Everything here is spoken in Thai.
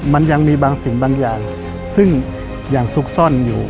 มันยังมีบางสิ่งบางอย่างซึ่งยังซุกซ่อนอยู่